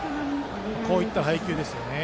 こういった配球ですよね。